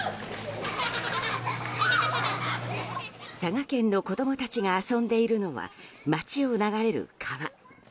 佐賀県の子供たちが遊んでいるのは街を流れる川。